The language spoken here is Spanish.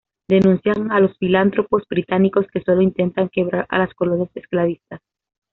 Denuncia a los filántropos británicos que solo intentan quebrar a las colonias esclavistas.